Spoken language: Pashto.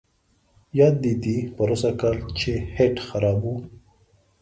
یاد دي دي پروسږ کال چې هیټ خراب وو.